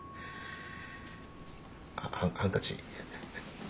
あっハンカチ。